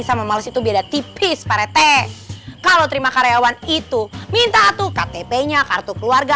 sama males itu beda tipis parete kalau terima karyawan itu minta tuh ktp nya kartu keluarga